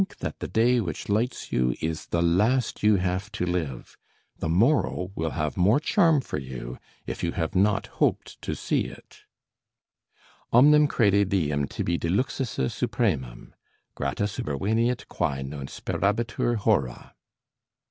"Think that the day which lights you is the last you have to live. The morrow will have more charm for you if you have not hoped to see it:" "Omnem crede diem tibi diluxisse supremum; Grata superveniet quæ non sperabitur hora."